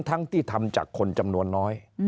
ทั้งที่ทำจากคนจำนวนน้อย